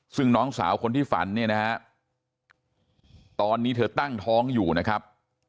ซึ่งน้องสาวคนที่ฝันเนี่ยนะฮะตอนนี้เธอตั้งท้องอยู่นะครับ